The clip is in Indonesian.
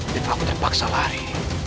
dan aku terpaksa lari